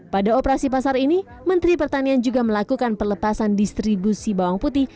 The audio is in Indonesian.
pada operasi pasar ini menteri pertanian juga melakukan pelepasan distribusi bawang putih